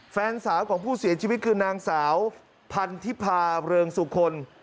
แฟนสาวของผู้เสียชีวิตคือนางสาวพันธิพาเริงสุคล